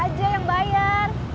ini aja yang bayar